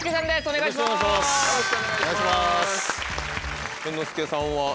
お願いします。